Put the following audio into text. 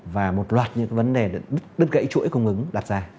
và một loạt những cái vấn đề đứt gãy chuỗi cung ứng đặt ra